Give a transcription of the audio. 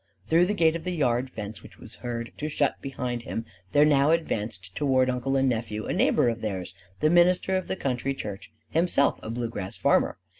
Through the gate of the yard fence which was heard to shut behind him there now advanced toward uncle and nephew a neighbor of theirs, the minister of the country church, himself a bluegrass farmer.